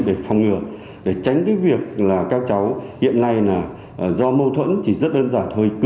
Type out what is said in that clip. để phòng ngừa để tránh cái việc là các cháu hiện nay là do mâu thuẫn thì rất đơn giản thôi